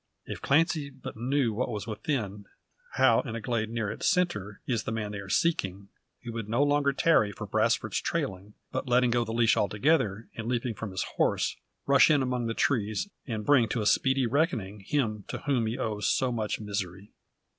If Clancy but knew what is within, how in a glade near its centre, is the man they are seeking, he would no longer tarry for Brasfort's trailing, but letting go the leash altogether, and leaping from his horse, rush in among the trees, and bring to a speedy reckoning him, to whom he owes so much misery.